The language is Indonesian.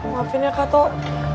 maafin ya kak toh